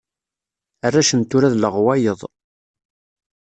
Arrac n tura d leɣwayeḍ.